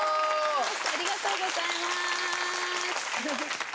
ありがとうございます！